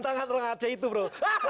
tangan orang aceh itu bro